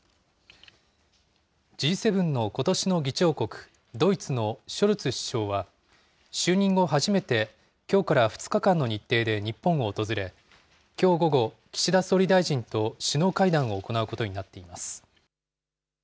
Ｇ７のことしの議長国、ドイツのショルツ首相は、就任後初めて、きょうから２日間の日程で日本を訪れ、きょう午後、岸田総理大臣と首脳会談を行うことになっています。